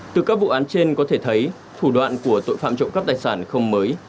từ các vụ án trên có thể thấy thủ đoạn của tội phạm trộm cắp tài sản không mới